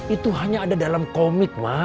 itu hanya ada dalam komik mak